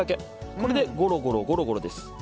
これで、ゴロゴロゴロゴロです。